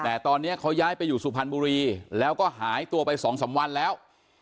แต่ตอนนี้เขาย้ายไปอยู่สุพรรณบุรีแล้วก็หายตัวไปสองสามวันแล้ว